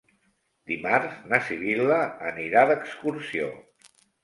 Dimarts na Sibil·la anirà d'excursió.